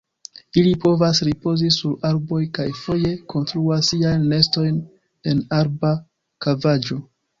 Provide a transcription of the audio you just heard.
Ili povas ripozi sur arboj kaj foje konstruas siajn nestojn en arba kavaĵo.